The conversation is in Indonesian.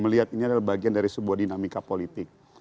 melihat ini adalah bagian dari sebuah dinamika politik